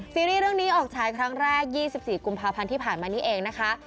ซีรีส์เรื่องนี้ออกฉายครั้งแรก๒๔กุมภาพันธ์ที่ผ่านมานี้เองนะคะ